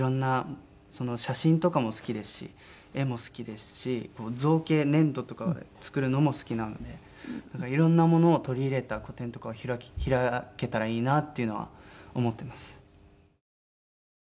写真とかも好きですし絵も好きですし造形粘土とか作るのも好きなのでなんかいろんなものを取り入れた個展とかを開けたらいいなっていうのは思ってます。